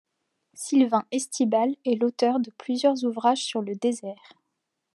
Sylvain Estibal est l'auteur de plusieurs ouvrages sur le désert.